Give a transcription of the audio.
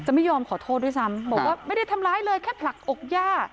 ไม่ยอมขอโทษด้วยซ้ำบอกว่าไม่ได้ทำร้ายเลยแค่ผลักอกย่า